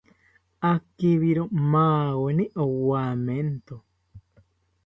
Akibiro maweni owamento